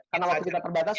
karena waktu kita terbatas